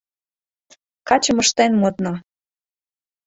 Качым ыштен модна.